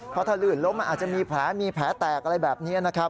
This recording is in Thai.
เพราะถ้าลื่นล้มอาจจะมีแผลตกอะไรแบบนี้